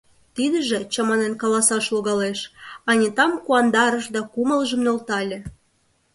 Тидыже, чаманен каласаш логалеш, Анитам куандарыш да кумылжым нӧлтале.